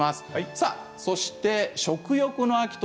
そして、食欲の秋。